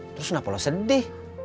terus kenapa lo sedih